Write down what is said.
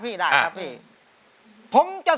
สวัสดีครับ